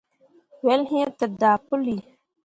Wel iŋ te daa puli.